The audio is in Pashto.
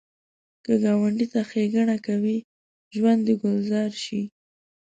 که ګاونډي ته ښیګڼه کوې، ژوند دې ګلزار شي